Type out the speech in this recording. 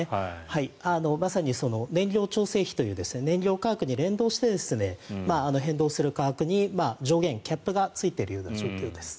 まさに燃料調整費という燃料価格に連動して変動する価格に上限、キャップがついているような状況です。